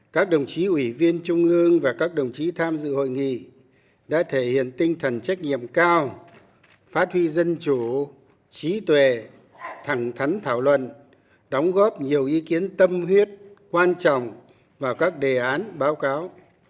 các đồng chí ủy viên trung ương và các đồng chí tham dự hội nghị đã thể hiện tinh thần trách nhiệm cao phát huy dân chủ trí tuệ thẳng thắn thảo luận đóng góp nhiều ý kiến tâm huyết quan trọng vào các đề án báo cáo